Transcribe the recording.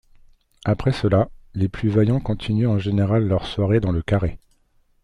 Après cela, les plus vaillants continuent en général leur soirée dans Le Carré.